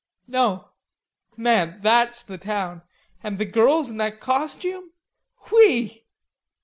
"No." "Man, that's the town. And the girls in that costume.... Whee!"